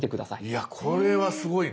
いやこれはすごいな！